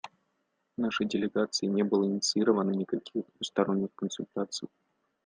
Нашей делегацией не было инициировано никаких двусторонних консультаций.